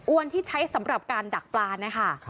ที่ใช้สำหรับการดักปลานะคะ